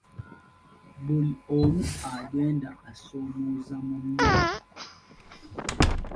Buli omu agenda asomooza munne.